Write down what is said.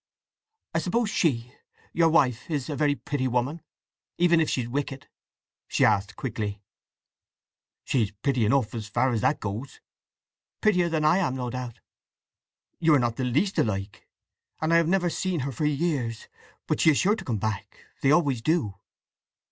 "I suppose she—your wife—is—a very pretty woman, even if she's wicked?" she asked quickly. "She's pretty enough, as far as that goes." "Prettier than I am, no doubt!" "You are not the least alike. And I have never seen her for years… But she's sure to come back—they always do!"